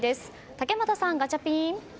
竹俣さん、ガチャピン。